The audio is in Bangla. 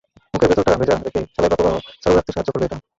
মুখের ভেতরটা ভেজা রেখে স্যালাইভা প্রবাহ চালু রাখতে সাহায্য করবে এটা।